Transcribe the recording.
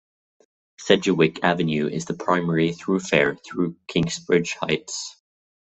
Sedgwick Avenue is the primary thoroughfare through Kingsbridge Heights.